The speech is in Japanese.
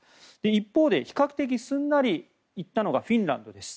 一方で比較的すんなり行ったのがフィンランドです。